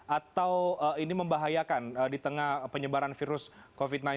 atau ini membahayakan di tengah penyebaran virus covid sembilan belas